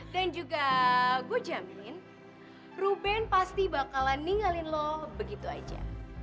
dan juga gue jamin ruben pasti bakalan ninggalin lo begitu aja